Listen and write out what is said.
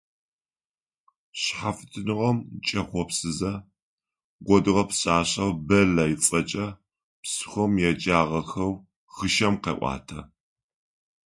Шъхьафитныгъэм кӏэхъопсызэ кӏодыгъэ пшъашъэу Бэллэ ыцӏэкӏэ псыхъом еджагъэхэу хъишъэм къеӏуатэ.